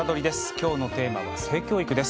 きょうのテーマは性教育です。